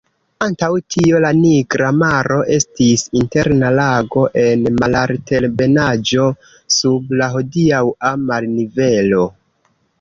Antaŭ tio la Nigra Maro estis interna lago en malaltebenaĵo, sub la hodiaŭa marnivelo.